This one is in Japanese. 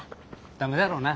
駄目だろうな。